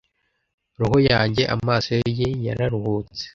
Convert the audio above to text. Roho yanjye, amaso ye yararuhutse.